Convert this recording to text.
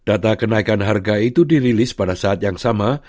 data kenaikan harga itu dirilis pada saat yang sama